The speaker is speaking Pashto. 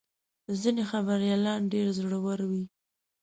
ځینې خبریالان ډېر زړور وي.